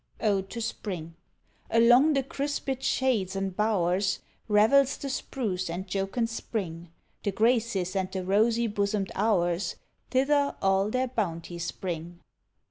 Ode to Spring. Along the crisped shades and bowers Revels the spruce and jocund spring; The graces and the rosy bosom'd hours Thither all their bounties bring.